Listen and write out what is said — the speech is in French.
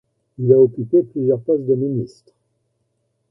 Il a occupé plusieurs postes de ministre.